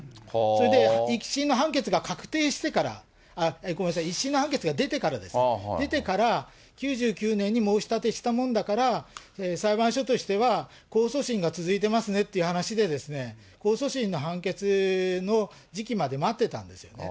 それで１審の判決が確定してから、ごめんなさい、１審の判決が出てからです、出てから、９９年に申し立てしたものだから、裁判所としては、控訴審が続いてますねっていう話で、控訴審の判決の時期まで待ってたんですね。